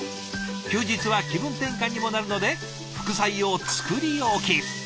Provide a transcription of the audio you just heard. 休日は気分転換にもなるので副菜を作り置き。